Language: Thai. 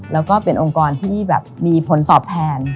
แล้วก็เป็นองค์กรที่แบบมีผลตอบแทน